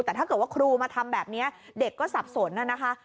แต่ถ้าเกิดว่าครูมาทำแบบนี้เด็กก็สับสนนะคะ